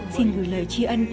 xin gửi lời chi ân